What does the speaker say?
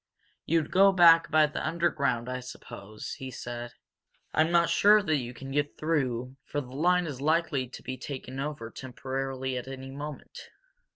"You'd go back by the underground, I suppose," he said. "I'm not sure that you can get through for the line is likely to be taken over, temporarily, at any moment.